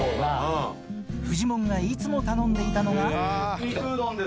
フジモンがいつも頼んでいた肉うどんです。